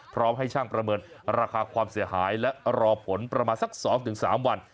พร้อมให้ช่างประเมินราคาความเสียหายและรอผลประมาณสัก๒๓วัน